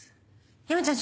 山ちゃん